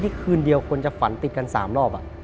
คืนเดียวคนจะฝันติดกัน๓รอบ